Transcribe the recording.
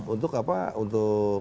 untuk apa untuk